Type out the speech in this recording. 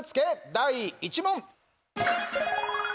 第１問。